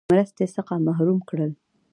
مرستې څخه محروم کړل.